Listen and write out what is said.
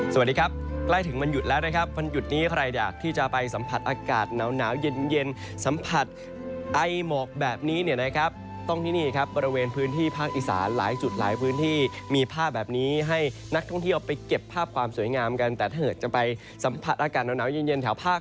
สวัสดีครับใกล้ถึงวันหยุดแล้วนะครับวันหยุดนี้ใครอยากที่จะไปสัมผัสอากาศหนาวเย็นสัมผัสไอหมอกแบบนี้เนี่ยนะครับต้องที่นี่ครับบริเวณพื้นที่ภาคอีสานหลายจุดหลายพื้นที่มีภาพแบบนี้ให้นักท่องเที่ยวไปเก็บภาพความสวยงามกันแต่ถ้าเกิดจะไปสัมผัสอากาศหนาวเย็นแถวภาค